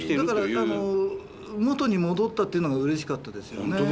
だからあの元に戻ったっていうのがうれしかったですよね。